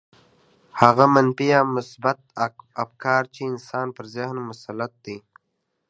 هغه منفي يا مثبت افکار چې د انسان پر ذهن مسلط دي.